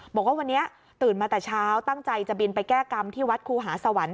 บอกว่าวันนี้ตื่นมาแต่เช้าตั้งใจจะบินไปแก้กรรมที่วัดครูหาสวรรค์